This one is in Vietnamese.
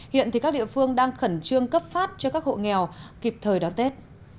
hiện thì các địa phương đang khẩn trương cấp phát cho các hộ nghèo kịp thời đón tết